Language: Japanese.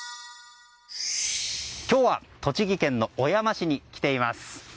今日は栃木県の小山市に来ています。